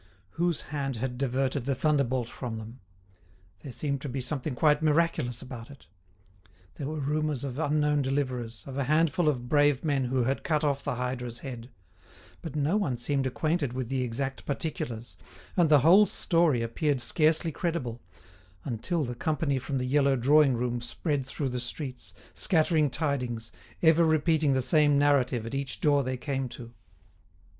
Whose hand had diverted the thunderbolt from them? There seemed to be something quite miraculous about it. There were rumours of unknown deliverers, of a handful of brave men who had cut off the hydra's head; but no one seemed acquainted with the exact particulars, and the whole story appeared scarcely credible, until the company from the yellow drawing room spread through the streets, scattering tidings, ever repeating the same narrative at each door they came to.